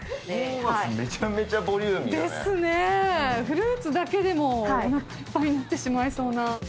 フルーツだけでもおなかいっぱいになってしまいそうな。